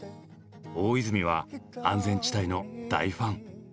大泉は安全地帯の大ファン。